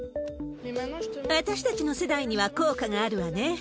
私たちの世代には効果があるわね。